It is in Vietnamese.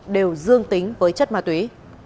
đều dương tính với chất ma túy